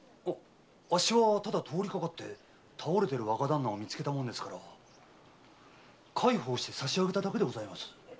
あっしはただ通りかかって倒れてる若旦那を見つけたので介抱してさし上げただけでございます。